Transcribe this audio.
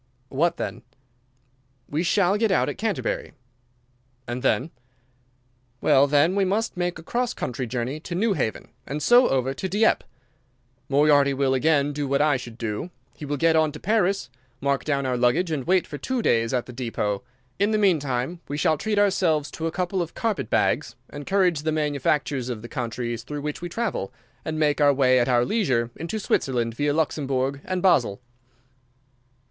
"What then?" "We shall get out at Canterbury." "And then?" "Well, then we must make a cross country journey to Newhaven, and so over to Dieppe. Moriarty will again do what I should do. He will get on to Paris, mark down our luggage, and wait for two days at the depôt. In the meantime we shall treat ourselves to a couple of carpet bags, encourage the manufactures of the countries through which we travel, and make our way at our leisure into Switzerland, via Luxembourg and Basle."